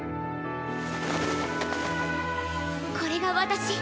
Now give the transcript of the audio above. これが私。